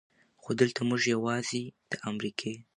خو دلته مونږ يواځې د امريکې